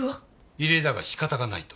異例だが仕方がないと。